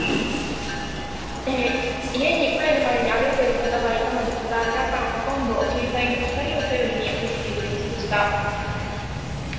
家に帰るまでに歩いている方がいましたが皆さんほとんど、携帯の光を頼りに歩いている様子です。